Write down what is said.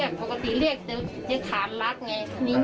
ให้ตำรวจลงพื้นที่ไปเซอเวย์ดูก่อนแล้ว